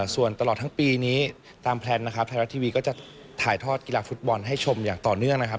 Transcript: ส่วนตลอดทั้งปีนี้ตามแพลนนะครับไทยรัฐทีวีก็จะถ่ายทอดกีฬาฟุตบอลให้ชมอย่างต่อเนื่องนะครับ